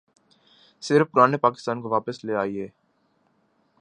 صرف پرانے پاکستان کو واپس لے آئیے۔